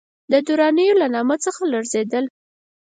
د درانیو له نامه څخه لړزېدل.